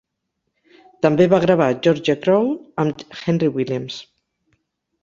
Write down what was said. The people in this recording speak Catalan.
També va gravar "Georgia Crawl" amb Henry Williams.